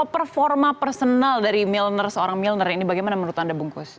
performa personal dari milner seorang milner ini bagaimana menurut anda bungkus